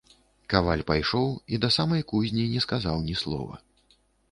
Каваль пайшоў і да самай кузні не сказаў ні слова.